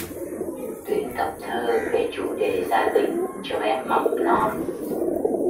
Tuyển tập thơ về chủ đề gia đình cho bé mầm non